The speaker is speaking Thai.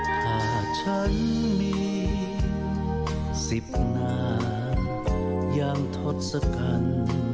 ถ้าฉันมีสิบหน้าอย่างทดสกัน